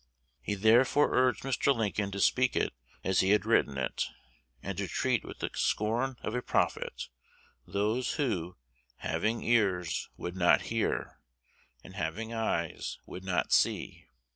He therefore urged Mr. Lincoln to speak it as he had written it, and to treat with the scorn of a prophet those who, having ears, would not hear, and, having eyes, would not see.